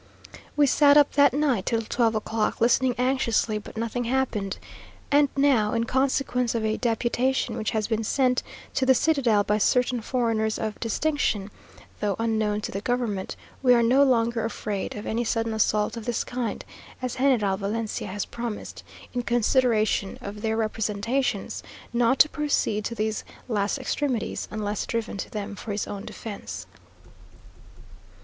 We sat up that night till twelve o'clock, listening anxiously, but nothing happened; and now, in consequence of a deputation which has been sent to the citadel by certain foreigners of distinction (though unknown to the government), we are no longer afraid of any sudden assault of this kind, as General Valencia has promised, in consideration of their representations, not to proceed to these last extremities, unless driven to them for his own defence.